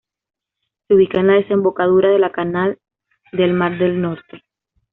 Se ubica en la desembocadura de la canal del mar del Norte.